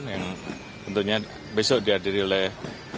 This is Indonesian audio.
yang tentunya besok dihadiri oleh